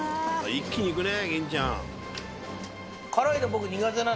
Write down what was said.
一気にいくね金ちゃん。